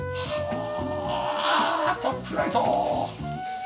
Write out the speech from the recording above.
ああトップライト！